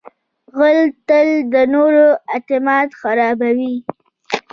غل تل د نورو اعتماد خرابوي